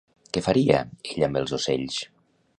Què faria ell amb els ocells?